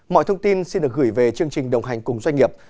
mọi thông tin xin được gửi về chương trình đồng hành cùng doanh nghiệp